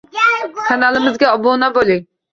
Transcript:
Kanalimizga obuna bo'ling